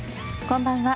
こんばんは。